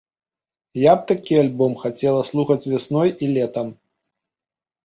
Я б такі альбом хацела слухаць вясной і летам.